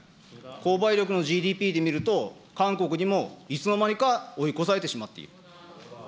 購買力のＧＤＰで見ると、韓国にもいつの間にか追い越されてしまっている。